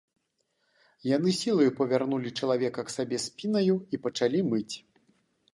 Яны сілаю павярнулі чалавека к сабе спінаю і пачалі мыць.